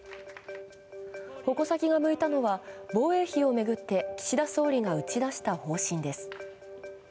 矛先が向いたのは防衛費を巡って岸田総理が打ち出した方針です。